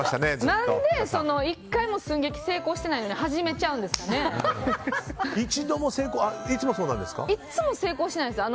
何で１回も寸劇成功してないのにいつもそうなんですか？